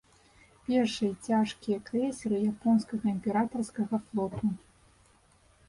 Першыя цяжкія крэйсеры японскага імператарскага флоту.